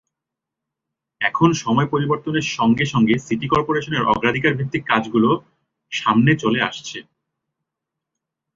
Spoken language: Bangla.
এখন সময় পরিবর্তনের সঙ্গে সঙ্গে সিটি করপোরেশনের অগ্রাধিকারভিত্তিক কাজগুলো সামনে চলে আসছে।